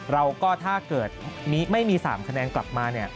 ถ้าเกิดไม่มี๓คะแนนกลับมาเนี่ย